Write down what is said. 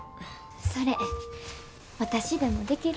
それ私でもできる？